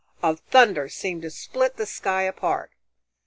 _ of thunder seemed to split the sky apart.